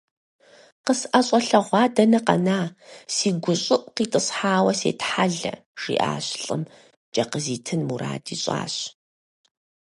КъысӀэщӀэлъэгъуа дэнэ къэна, си гущӀыӀу къитӀысхьауэ сетхьэлэ! - жиӀащ лӀым, кӀэ къызитын мурад ищӀащ.